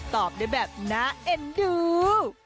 ตอบได้แบบน่าเอ็นดู